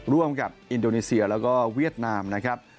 ร่วมกับอินโดนีเซียแล้วก็เวียดนามนะครับ